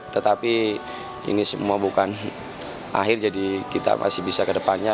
tetapi ini semua bukan akhir jadi kita masih bisa ke depannya